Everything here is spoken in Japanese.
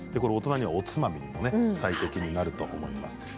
お隣はおつまみにも最適になると思います。